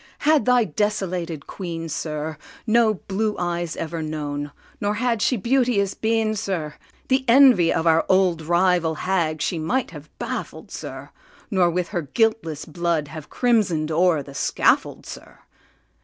had thy desolated Queen, sir, No blue eyes ever known, nor had she beauteous been, sir, The envy of our old rival hag she might have baffled, sir, Nor with her guiltless blood have crimson'd o'er the scaffold, sir.